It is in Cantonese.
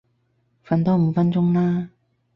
瞓多五分鐘啦